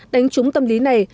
đánh trúng tâm lý này